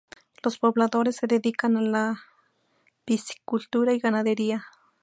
Los pobladores se dedican a la piscicultura y ganadería.